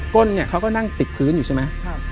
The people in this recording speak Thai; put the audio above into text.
้นเนี่ยเขาก็นั่งติดพื้นอยู่ใช่ไหม